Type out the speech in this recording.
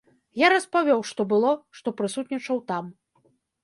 Я распавёў, што было, што прысутнічаў там.